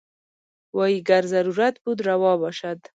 وايي ګر ضرورت بود روا باشد.